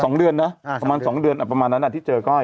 สองเดือนนะอ่าประมาณสองเดือนประมาณนั้นอ่ะที่เจอก้อย